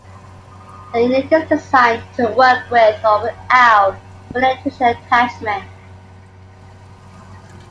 The unit is designed to work with or without a penetration attachment.